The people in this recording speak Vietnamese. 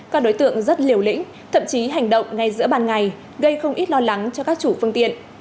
các đối tượng rất liều lĩnh thậm chí hành động ngay giữa ban ngày gây không ít lo lắng cho các chủ phương tiện